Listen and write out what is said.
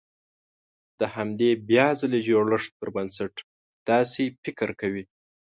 د همدې بيا ځلې جوړښت پر بنسټ داسې فکر کوي.